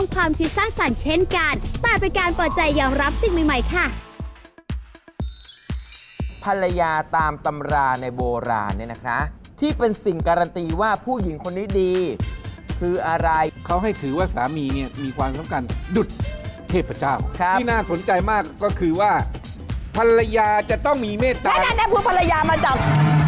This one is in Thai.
มีความรู้สึกว่ามีความรู้สึกว่ามีความรู้สึกว่ามีความรู้สึกว่ามีความรู้สึกว่ามีความรู้สึกว่ามีความรู้สึกว่ามีความรู้สึกว่ามีความรู้สึกว่ามีความรู้สึกว่ามีความรู้สึกว่ามีความรู้สึกว่ามีความรู้สึกว่ามีความรู้สึกว่ามีความรู้สึกว่ามีความรู้สึกว